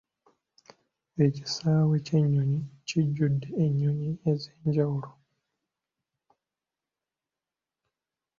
Ekisaawe ky'ennyonyi kijjudde ennyonyi ez'enjawulo.